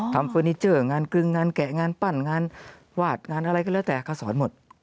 เฟอร์นิเจอร์งานกรึงงานแกะงานปั้นงานวาดงานอะไรก็แล้วแต่เขาสอนหมด